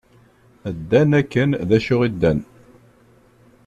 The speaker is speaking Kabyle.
Ddan akken d acu i ddan.